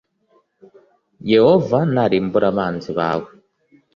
yehova narimbura abanzi bawe